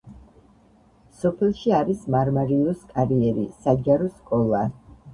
სოფელში არის მარმარილოს კარიერი, საჯარო სკოლა.